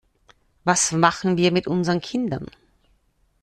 Was machen wir mit unseren Kindern?